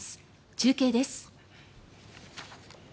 中継です。